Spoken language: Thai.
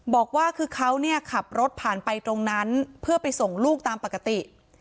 บอกว่าคือเขาเนี่ยขับรถผ่านไปตรงนั้นเพื่อไปส่งลูกตามปกติ